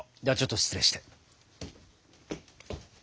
ではちょっと失礼して。